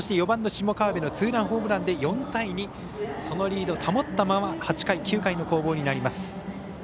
４番の下川邊のツーランホームランで４対２、そのリード保ったまま８回、９回の攻防になります。